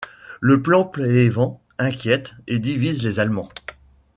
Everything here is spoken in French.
Le plan Pleven inquiète et divise les Allemands.